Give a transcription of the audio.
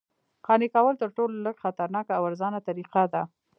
قانع کول تر ټولو لږ خطرناکه او ارزانه طریقه ده